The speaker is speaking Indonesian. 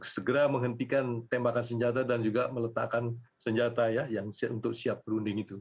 segera menghentikan tembakan senjata dan juga meletakkan senjata ya yang untuk siap berunding itu